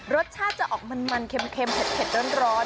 รสชาติจะออกมันเค็มเผ็ดร้อน